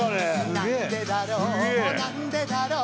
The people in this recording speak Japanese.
「なんでだろうなんでだろう」